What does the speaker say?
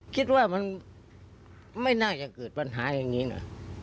คิดว่ามันไม่น่าจะเกิดปัญหาอย่างนี้นะ